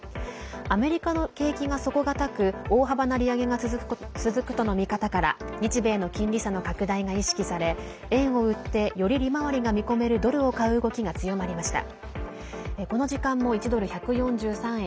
アメリカの景気が底堅く大幅な利上げが続くとの見方から日米の金利差の拡大が意識され円を売ってより利回りが見込めるドルを買う動きが強まりました。